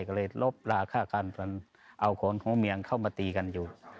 ก็เลยลบลาฆ่ากันเอาขนของเมียงเข้ามาตีกันอยู่